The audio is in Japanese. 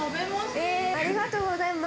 えー、ありがとうございます。